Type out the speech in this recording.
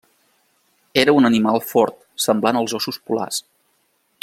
Era un animal fort semblant als óssos polars.